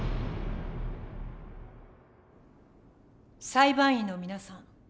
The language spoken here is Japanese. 裁判員の皆さん